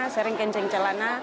sering kencing celana